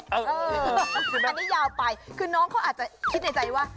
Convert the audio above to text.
อันนี้ยาวไปคือน้องเขาอาจจะคิดในใจว่า